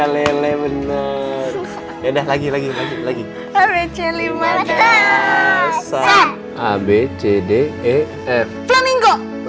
lele bener dan lagi lagi lagi abc lima abcdef flamingo